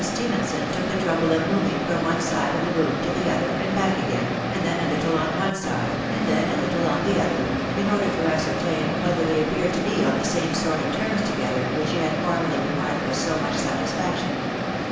Stephenson took the trouble of moving from one side of the room to the other, said back again, and then a little on one side, and then a little on the other, in order to ascertain whether thej appeared to be on the same sort of terms together which she had formerly remarked with so much satisfaction.